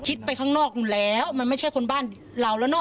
คิดไปข้างนอกนู่นแล้วมันไม่ใช่คนบ้านเราแล้ว